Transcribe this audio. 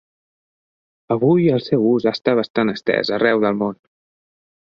Avui, el seu ús està bastant estès arreu del món.